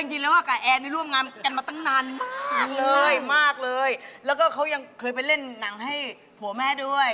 จริงแล้วกับแอร์นี่ร่วมงานกันมาตั้งนานเลยมากเลยแล้วก็เขายังเคยไปเล่นหนังให้ผัวแม่ด้วย